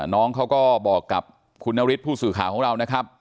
น้องเขาก็บอกกับคุณนฤทธิผู้สื่อข่าวของเรานะครับ